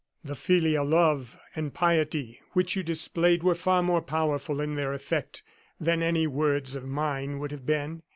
The filial love and piety which you displayed were far more powerful in their effect than any words of mine would have been.